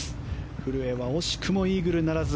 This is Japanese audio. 古江は惜しくもイーグルならず。